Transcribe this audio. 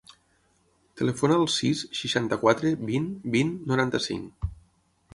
Telefona al sis, seixanta-quatre, vint, vint, noranta-cinc.